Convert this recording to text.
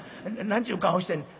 何ちゅう顔してんねん。